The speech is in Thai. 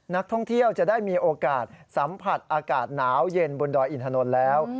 นักท่องเที่ยวจะได้มีโอกาสสัมผัสอากาศหนาวเย็นบนดอยอินถนนแล้ว